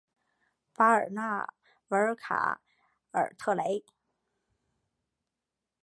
巴尔纳维尔卡尔特雷。